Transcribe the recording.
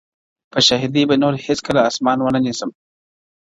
په شاهدۍ به نور هیڅکله آسمان و نه نیسم,